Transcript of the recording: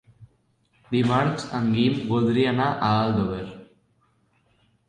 Dimarts en Guim voldria anar a Aldover.